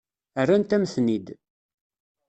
Rrant-am-ten-id.